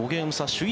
首位